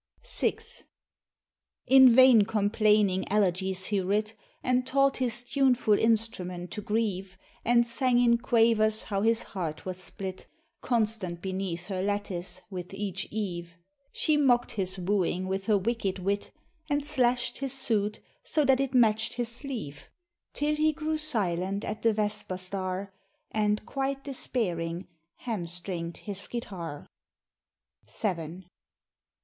VI. In vain complaining elegies he writ, And taught his tuneful instrument to grieve, And sang in quavers how his heart was split, Constant beneath her lattice with each eve; She mock'd his wooing with her wicked wit, And slash'd his suit so that it matched his sleeve, Till he grew silent at the vesper star, And, quite despairing, hamstring'd his guitar. VII.